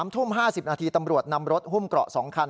๓ทุ่ม๕๐นาทีตำรวจนำรถหุ้มเกราะ๒คัน